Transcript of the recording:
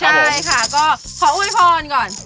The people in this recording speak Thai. ได้ค่ะก็ขออวยพรก่อน